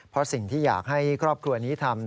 เพราะสิ่งที่อยากให้ครอบครัวนี้ทำ